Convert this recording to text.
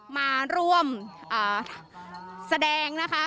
มาร่วมแสดงนะคะ